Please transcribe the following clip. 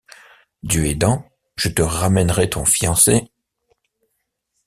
Dieu aidant, je te ramènerai ton fiancé!